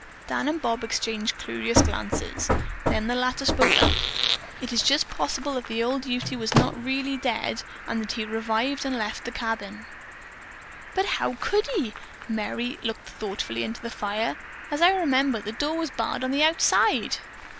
Dan and Bob exchanged curious glances. Then the latter spoke up: "It is just possible that the old Ute was not really dead and that he revived and left the cabin." "But how could he?" Merry looked thoughtfully into the fire. "As I remember, the door was barred on the outside."